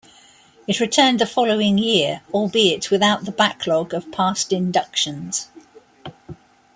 It returned the following year, albeit without the backlog of past inductions.